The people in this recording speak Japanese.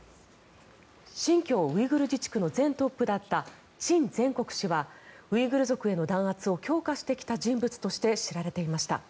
新疆ウイグル自治区の前トップだったチン・ゼンコク氏はウイグル族への弾圧を強化してきた人物として知られていました。